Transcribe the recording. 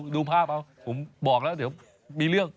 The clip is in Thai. ดูภาพเอาผมบอกแล้วเดี๋ยวมีเรื่อง